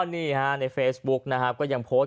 นี่ฮะในเฟซบุ๊กนะครับก็ยังโพสต์